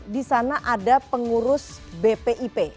di sana ada pengurus bpip